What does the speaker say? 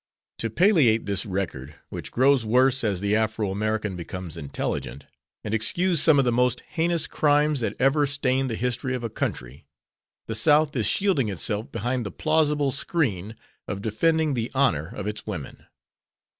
To palliate this record (which grows worse as the Afro American becomes intelligent) and excuse some of the most heinous crimes that ever stained the history of a country, the South is shielding itself behind the plausible screen of defending the honor of its women.